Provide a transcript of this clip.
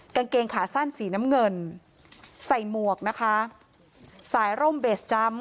กางเกงขาสั้นสีน้ำเงินใส่หมวกนะคะสายร่มเบสจำ